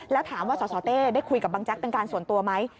แล้วถามว่าสสเต้ได้คุยกับบังแจ๊กเป็นการส่วนตัวไหม